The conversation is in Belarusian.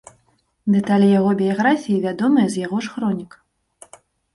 Дэталі яго біяграфіі вядомыя з яго ж хронік.